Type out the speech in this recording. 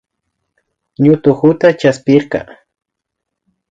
Ñutukata chaspirka